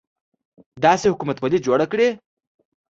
داسې حکومتولي جوړه کړي.